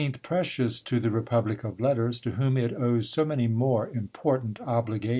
precious to the republic of letters, to whom it owes so many more important obligations!"